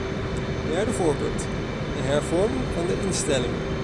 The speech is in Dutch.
Derde voorbeeld: de hervorming van de instellingen.